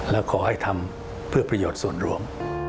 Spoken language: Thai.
และขอให้ทำเพื่อประโยชน์ส่วนรวม